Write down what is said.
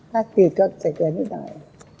ถ้ากินก็ให้ใกล้หน่อย